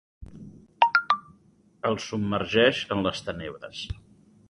El submergeix en les tenebres.